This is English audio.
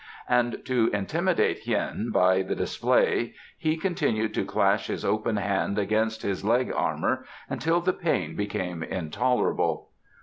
And to intimidate Hien by the display he continued to clash his open hand against his leg armour until the pain became intolerable.